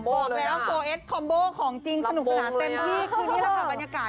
บอกแล้วโปเอสคอมโบว่ของจริงสนุกสนานเต็มที่คือมีเหตุผสมบัญกาศ